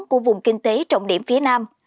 của vùng kinh tế trọng điểm phía nam